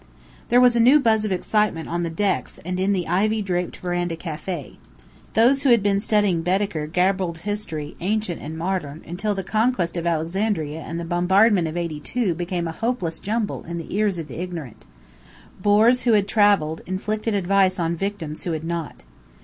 There was a new buzz of excitement on the decks and in the ivy draped veranda café. Those who had been studying Baedeker gabbled history, ancient and modern, until the conquest of Alexander and the bombardment of '82 became a hopeless jumble in the ears of the ignorant. Bores who had travelled inflicted advice on victims who had not.